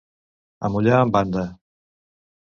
Amollar en banda.